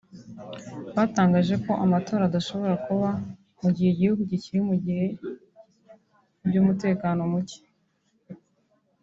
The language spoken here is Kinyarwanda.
batangaje ko amatora adashobora kuba mu gihe igihugu kikiri mu bihe by’umutekano muke